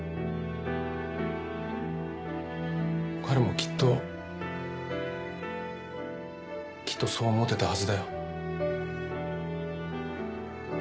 彼もきっときっとそう思ってたはずだよ。